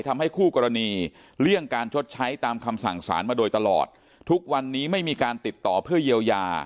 ทำให้คู่กรณีเลี่ยงการชดใช้ตามคำสั่งสารมาโดยตลอดทุกวันนี้ไม่มีการติดต่อเพื่อเยียวยา